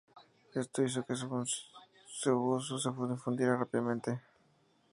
Esto hizo que su uso se difundiera rápidamente.